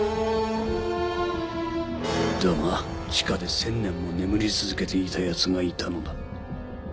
だが地下で千年も眠り続けていたヤツがいたのだ。